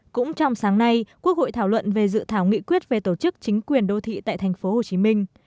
cũng trong sáng nay quốc hội thảo luận về dự thảo nghị quyết về tổ chức chính quyền đô thị tại thành phố hồ chí minh